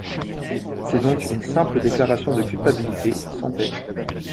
C'est donc une simple déclaration de culpabilité, sans peine.